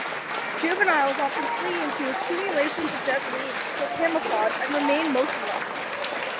Juveniles often flee into accumulations of dead leaves for camouflage and remain motionless.